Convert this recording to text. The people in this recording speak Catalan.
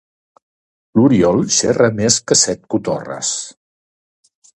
L'Oriol xerra més que set cotorres.